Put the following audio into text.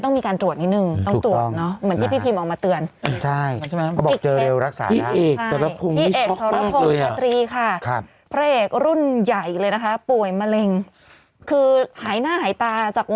ต้องยอมรับ